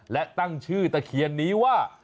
และตั้งชื่อตะเคียนนี้ว่า